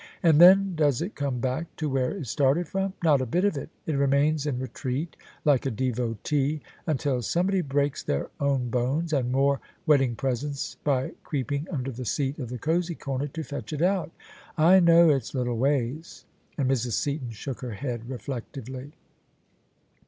And then does it come back to where it started from? Not a bit of it! It remains in retreat, like a devotee, until somebody breaks their own bones and more wedding presents by creeping under the seat of the cosey comer to fetch it out I know its little ways." And Mrs. Seaton shook her head reflectively.